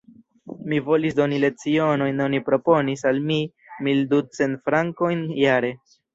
Mi volis doni lecionojn: oni proponis al mi mil ducent frankojn jare.